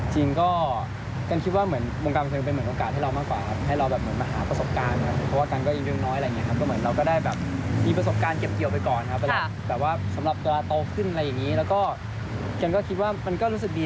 จริงก็กันคิดว่าเหมือนวงการบันเทิงเป็นเหมือนโอกาสให้เรามากกว่าครับ